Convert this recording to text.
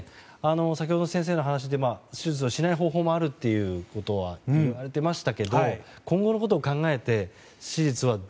先ほど、先生の話で手術はしない方法もあることはいわれてましたけど今後のことを考えて手術は。